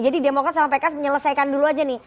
jadi demokrat sama pk menyelesaikan dulu aja nih